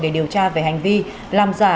để điều tra về hành vi làm giả